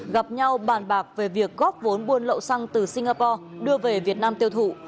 gặp nhau bàn bạc về việc góp vốn buôn lậu xăng từ singapore đưa về việt nam tiêu thụ